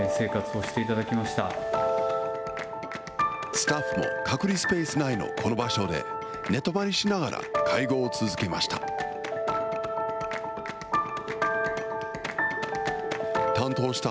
スタッフも隔離スペース内のこの場所で、寝泊まりしながら、介護を続けました。